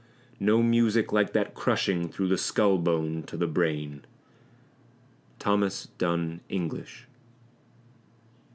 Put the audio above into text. no music like that crushing through the skull bone to the brain. THOMAS DUNN ENGLISH.